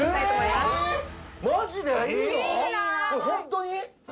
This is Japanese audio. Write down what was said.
ホントに？